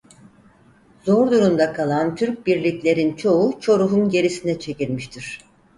Zor durumda kalan Türk birliklerin çoğu Çoruh'un gerisine çekilmiştir.